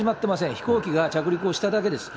飛行機が着陸をしただけです。